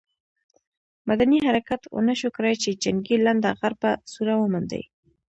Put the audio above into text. مدني حرکت ونه شو کړای چې جنګي لنډه غر په سوړه ومنډي.